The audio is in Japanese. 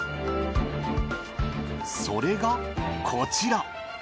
それがこちら。